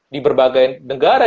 di berbagai negara